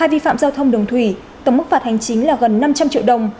hai vi phạm giao thông đồng thủy tổng mức phạt hành chính là gần năm trăm linh triệu đồng